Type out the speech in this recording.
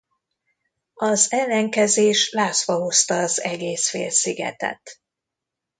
Az ellenkezés lázba hozta az egész félszigetet.